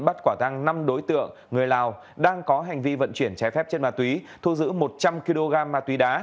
bắt quả tăng năm đối tượng người lào đang có hành vi vận chuyển trái phép trên ma túy thu giữ một trăm linh kg ma túy đá